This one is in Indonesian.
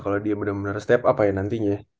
kalau dia bener bener step up ya nantinya